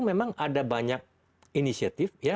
memang ada banyak inisiatif